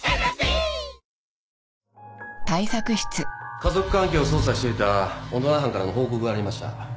家族関係を捜査していた小野田班からの報告がありました。